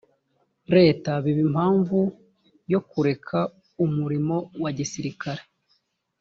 leta biba impamvu yo kureka umurimo wa gisirikare